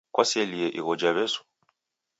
Kwaselie igho ja wesu?